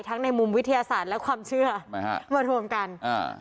ทั้งในมุมวิทยาศาสตร์และความเชื่อมาทรวมกันอ่า